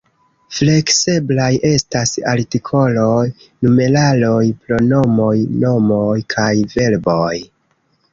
Flekseblaj estas artikoloj, numeraloj, pronomoj, nomoj kaj verboj.